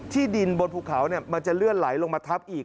ดินบนภูเขามันจะเลื่อนไหลลงมาทับอีก